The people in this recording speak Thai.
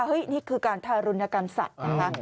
เฮ้ยนี่คือการทารุณิการสัตว์